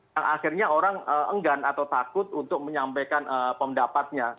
dan akhirnya orang enggan atau takut untuk menyampaikan pendapatnya